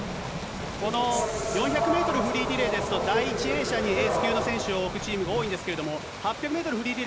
４００メートルフリーリレーですと、第１泳者にエース級の選手を置くチームが多いんですけれども、８００メートル